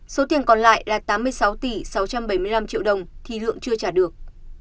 số tiền còn lại là tám mươi sáu tỷ sáu trăm bảy mươi năm triệu đồng thì lượng chưa trả được